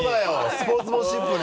スポーツマンシップに。